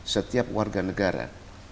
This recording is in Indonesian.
setiap warga negara